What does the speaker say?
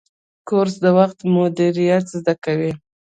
کورس د وخت مدیریت زده کوي.